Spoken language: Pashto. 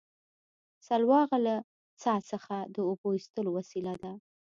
سلواغه له څا څخه د اوبو ایستلو وسیله ده